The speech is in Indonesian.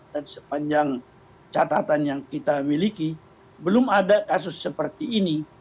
dan sepanjang catatan yang kita miliki belum ada kasus seperti ini